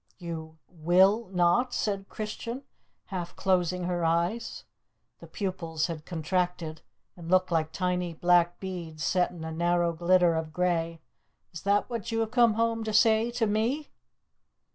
"You will not?" said Christian, half closing her eyes. The pupils had contracted, and looked like tiny black beads set in a narrow glitter of grey. "Is that what you have come home to say to _me?